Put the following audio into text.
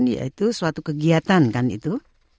yaitu suatu kegiatan kan itu